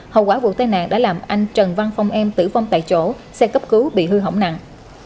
hậu quả vụ tai nạn đã làm anh trần văn phong em tử vong tại chỗ xe cấp cứu bị hư hỏng nặng